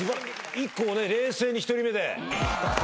１個も冷静に１人目で。